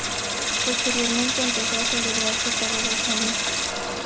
Posteriormente, empezó a celebrarse cada dos años.